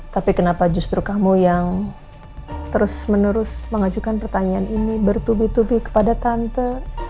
tapi kenapa justru kamu yang terus menerus mengajukan pertanyaan ini bertubi tubi kepada tante